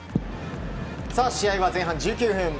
さあ、試合は前半１９分。